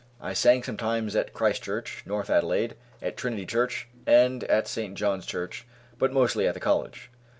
I sang sometimes at Christ Church, North Adelaide, at Trinity Church, and at St. John's Church, but mostly at the College.